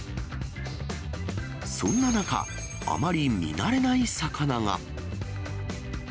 そんな中、あまり見慣れない魚が。